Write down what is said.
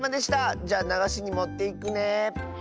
じゃあながしにもっていくね。